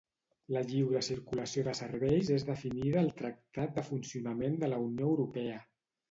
La lliure circulació de serveis és definida al Tractat de Funcionament de la Unió Europea.